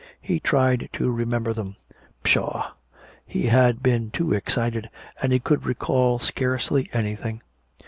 He tried to remember them. Pshaw! He had been too excited, and he could recall scarcely anything.